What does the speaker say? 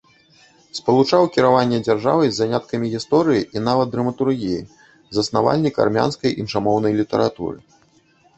Спалучаў кіраванне дзяржавай з заняткамі гісторыяй і нават драматургіяй, заснавальнік армянскай іншамоўнай літаратуры.